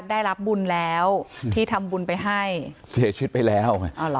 ได้รับบุญแล้วที่ทำบุญไปให้เสียชีวิตไปแล้วไง